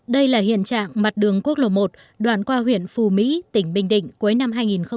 đây là hiện trạng mặt đường quốc lộ một đoạn qua huyện phù mỹ tỉnh bình định cuối năm hai nghìn một mươi tám